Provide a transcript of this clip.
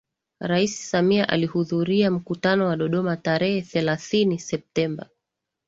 Rais Samia ahudhuria Mkutano wa Dodoma tarehe thelathini Septemba